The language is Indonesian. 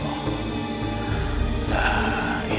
kita buang uang ki